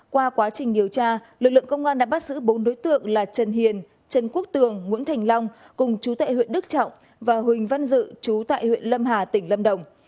qua quá trình điều tra lực lượng công an đã bắt giữ bốn đối tượng là trần hiền trần quốc tường nguyễn thành long cùng chú tệ huyện đức trọng và huỳnh văn dự chú tại huyện lâm hà tỉnh lâm đồng